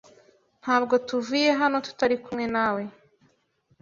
Ntabwo tuvuye hano tutari kumwe nawe.